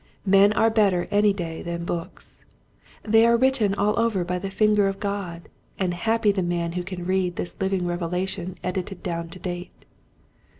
Men are better any day than books. They are written all over by the finger of God and happy the man who can read this living revelation edited down to date.